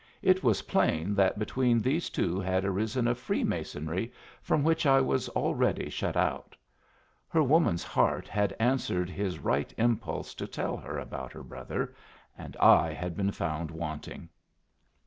It was plain that between these two had arisen a freemasonry from which I was already shut out. Her woman's heart had answered his right impulse to tell her about her brother, and I had been found wanting!